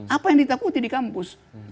apa yang ditakuti di kampus